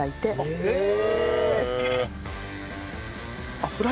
へえ！